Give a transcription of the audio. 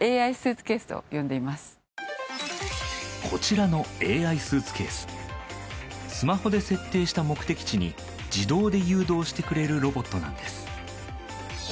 こちらのＡＩスーツケーススマホで設定した目的地に自動で誘導しくれるロボットなんです。